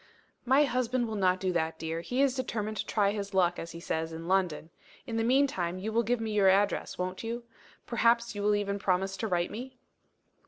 "My husband will not do that, dear. He is determined to try his luck, as he says, in London. In the meantime you will give me your address, won't you? Perhaps you will even promise to write to me?"